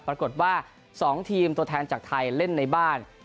ปรากฏว่า๒ทีมตัวแทนจากไทยเล่นในบ้าน